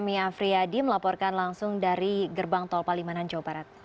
femi afriyadi melaporkan langsung dari gerbang tolpa limanan jawa barat